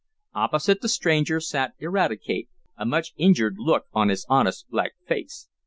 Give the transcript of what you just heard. Opposite the stranger sat Eradicate, a much injured look on his honest, black face.